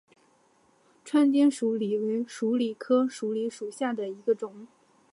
川滇鼠李为鼠李科鼠李属下的一个种。